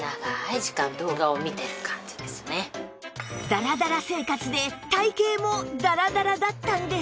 ダラダラ生活で体形もダラダラだったんです